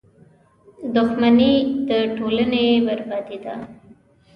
• دښمني د ټولنې بربادي ده.